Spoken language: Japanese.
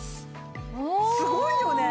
すごいよね。